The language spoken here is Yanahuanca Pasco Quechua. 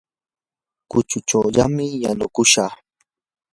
kuchullachawmi yanukushaq.